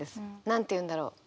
何て言うんだろう？